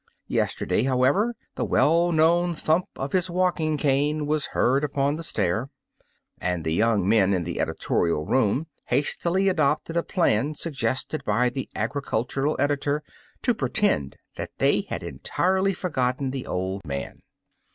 Yesterday, however, the well known thump of his walking cane was heard upon the stair, and the young men in the editorial room hastily adopted a plan suggested by the agricultural editor to pretend that they had entirely forgotten the old man.